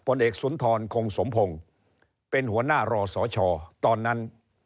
ผลเอกสุนทรคงสมพงศ์เป็นหัวหน้ารอสชตอนนั้น